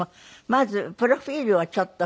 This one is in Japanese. まずプロフィルをちょっと。